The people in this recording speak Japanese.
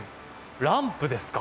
ランプですか？